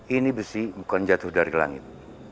ini besi bukan jatuh dari langit